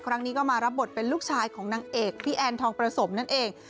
ครั้งนี้ก็มารับบทเป็นลูกชายของนางเอกพี่แอนทองประสมนั่นเอง